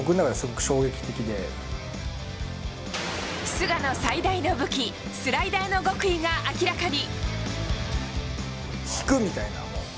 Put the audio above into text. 菅野最大の武器スライダーの極意が明らかに。